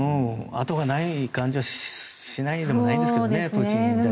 あとがない感じはしないでもないんですけどね。